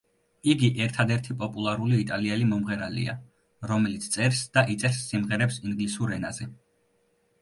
იგი ერთადერთი პოპულარული იტალიელი მომღერალია, რომელიც წერს და იწერს სიმღერებს ინგლისურ ენაზე.